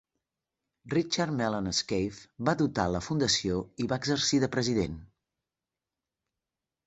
Richard Mellon Scaife va dotar la fundació i va exercir de president.